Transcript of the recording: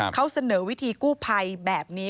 เขาเสนอวิธีกู้ภัยแบบนี้